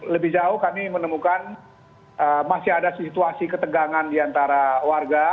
lebih jauh kami menemukan masih ada situasi ketegangan di antara warga